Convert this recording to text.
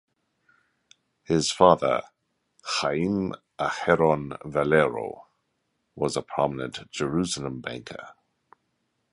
His father, Chaim Aharon Valero, was a prominent Jerusalem banker.